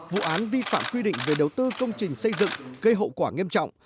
vụ án vi phạm quy định về đầu tư công trình xây dựng gây hậu quả nghiêm trọng